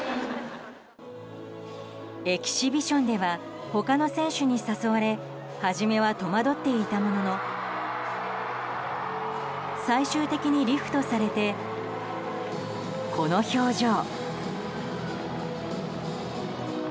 エキシビションでは他の選手に誘われ初めは戸惑っていたものの最終的にリフトされてこの表情。